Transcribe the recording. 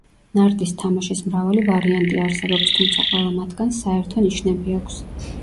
ნარდის თამაშის მრავალი ვარიანტი არსებობს, თუმცა ყველა მათგანს საერთო ნიშნები აქვს.